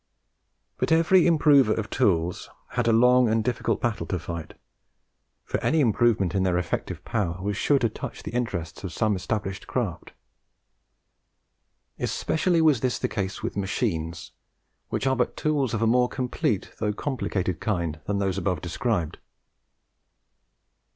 But every improver of tools had a long and difficult battle to fight; for any improvement in their effective power was sure to touch the interests of some established craft. Especially was this the case with machines, which are but tools of a more complete though complicated kind than those above described.